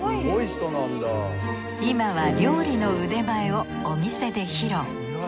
今は料理の腕前をお店で披露。